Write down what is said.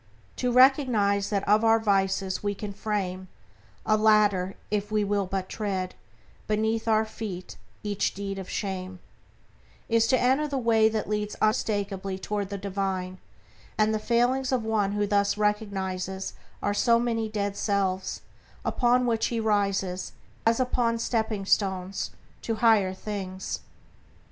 To recognize "That of our vices we can frame A ladder if we will but tread Beneath our feet each deed of shame," is to enter the way that leads unmistakably toward the Divine, and the failings of one who thus recognizes are so many dead selves, upon which he rises, as upon stepping stones, to higher things.